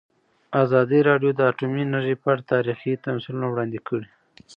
ازادي راډیو د اټومي انرژي په اړه تاریخي تمثیلونه وړاندې کړي.